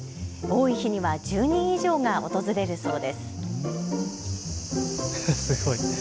多い日には１０人以上が訪れるそうです。